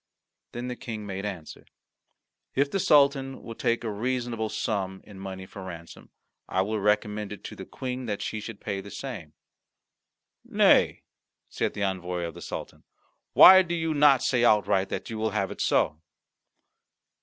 Then the King made answer: "If the Sultan will take a reasonable sum in money for ransom, I will recommend it to the Queen that she should pay the same." "Nay," said the envoy of the Sultan, "why do you not say outright that you will have it so?"